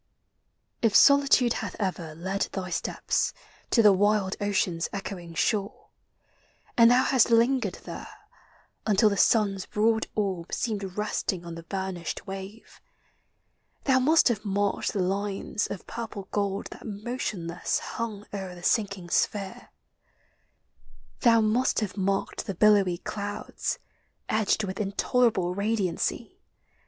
If solitude hath ever led thy steps To the wild ocean's echoing shore, And thou hast lingered there Until the sun's broad orb Seemed resting on the burnished wave, Thou must have marked the lines Of purple gold that motionless LIGHT: DAY: NIGHT. 49 Hung o'er the sinking sphere: Thou must have marked the billowy elouds, Edged with intolerable radiancy.